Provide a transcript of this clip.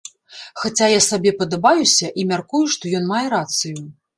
Хаця я сабе падабаюся, і, мяркую, што ён мае рацыю.